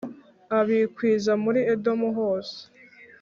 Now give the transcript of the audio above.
abikwiza muri Edomu hose.